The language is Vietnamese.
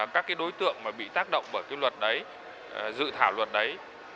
các cái đối tượng mà bị tác động bởi cái luật đấy dự thảo luật đấy